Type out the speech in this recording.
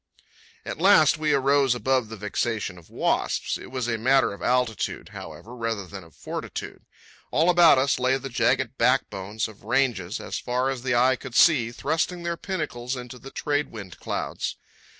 At last we arose above the vexation of wasps. It was a matter of altitude, however, rather than of fortitude. All about us lay the jagged back bones of ranges, as far as the eye could see, thrusting their pinnacles into the trade wind clouds.